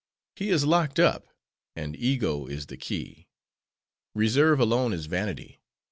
He is locked up; and Ego is the key. Reserve alone is vanity.